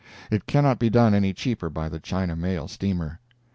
It cannot be done any cheaper by the China mail steamer.